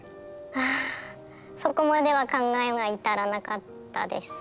あそこまでは考えが至らなかったです。